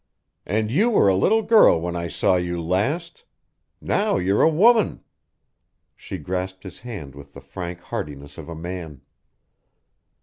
"And you were a little girl when I saw you last. Now you're a woman." She grasped his hand with the frank heartiness of a man.